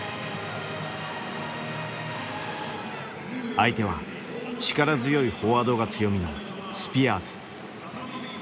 相手は力強いフォワードが強みのスピアーズ。